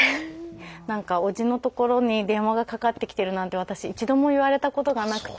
何か伯父のところに電話がかかってきてるなんて私一度も言われたことがなくて。